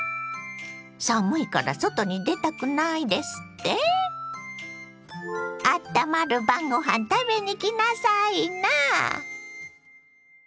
寒いから外に出たくないですって⁉あったまる晩ご飯食べに来なさいな！